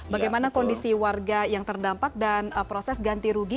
bagaimana kondisi warga yang terdampak dan proses ganti rugi ke tempat ini